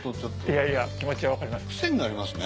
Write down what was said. いやいや気持ちは分かります。